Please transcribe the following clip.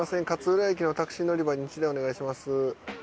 勝浦駅のタクシー乗り場に１台お願いします。